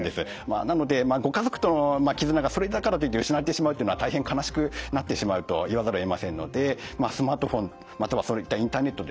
なのでご家族との絆がそれだからといって失われてしまうっていうのは大変悲しくなってしまうと言わざるをえませんのでスマートフォンまたはそういったインターネットですね